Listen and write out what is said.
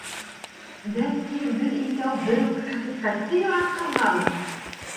Бәлки, беҙ икәү бер үк хәҡиҡәтте яратҡанғалыр.